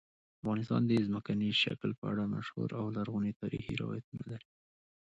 افغانستان د ځمکني شکل په اړه مشهور او لرغوني تاریخی روایتونه لري.